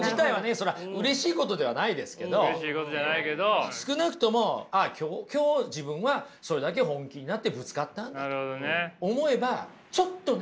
そりゃうれしいことではないですけど少なくとも今日自分はそれだけ本気になってぶつかったんだと思えばちょっとね。